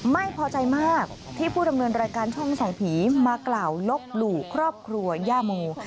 ไม่พอใจมากที่ผู้ดำเนินรายการช่องใส่ผีมากล่าวลบหลู่ครอบครัวย่าโม